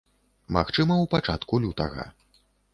Магчыма, у пачатку лютага.